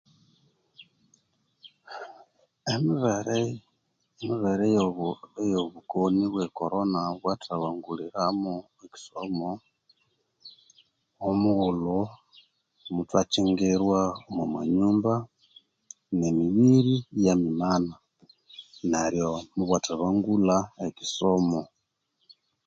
Emibere eyobukoni bwe korona bwathabanguliramo ekyisomo womughulhu muthwakyingirwa omwa manyumba nemibiri yamimana neryo mubwathabangulha ekyisomo.